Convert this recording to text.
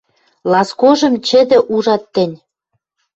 Ласкожым чӹдӹ ужат тӹнь